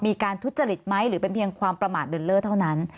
มีการทุจริตไหมหรือเป็นเพียงความประมาทเร็วเท่านั้น